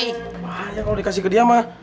bahaya kalau dikasih ke dia mah